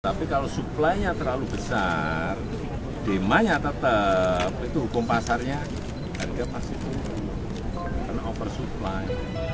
tapi kalau supply nya terlalu besar demand nya tetap itu hukum pasarnya harga pasti karena oversupply